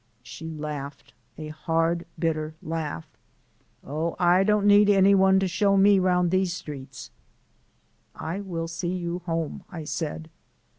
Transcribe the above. She laughed a hard, bitter laugh. "Oh, I don't need any one to show me around these streets!" "I will see you home," I said.